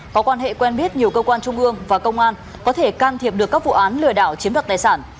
có quan hệ quen biết nhiều cơ quan trung ương và công an có thể can thiệp được các vụ án lừa đảo chiếm đoạt tài sản